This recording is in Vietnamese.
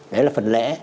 đấy là phần lễ